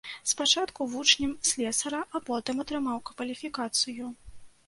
Спачатку вучнем слесара, а потым атрымаў кваліфікацыю.